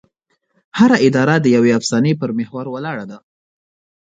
هره اداره د یوې افسانې پر محور ولاړه ده.